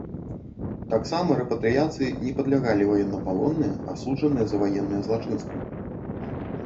Таксама рэпатрыяцыі не падлягалі ваеннапалонныя, асуджаныя за ваенныя злачынствы.